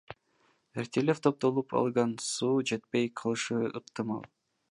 Эртелеп топтолуп алынган суу жетпей калышы ыктымал.